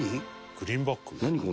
「グリーンバック？」